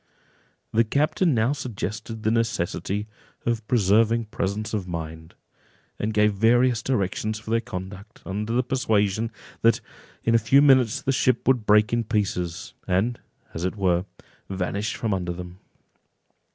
The captain now suggested the necessity of preserving presence of mind, and gave various directions for their conduct, under the persuasion, that in a few minutes the ship would break in pieces, and, as it were, vanish from under them.